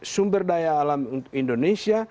sumber daya alam indonesia